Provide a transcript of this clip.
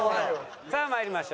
さあまいりましょう。